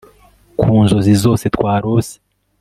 Ku nzozi zose twarose